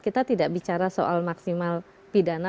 kita tidak bicara soal maksimal pidana